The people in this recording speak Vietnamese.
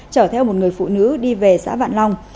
chở theo một người phụ nữ đi về xã vạn long